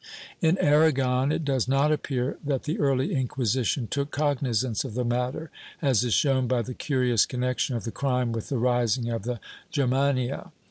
In Aragon it does not appear that the early Inquisition took cognizance of the matter, as is shown by the curious connection of the crime with the rising of the Germanfa.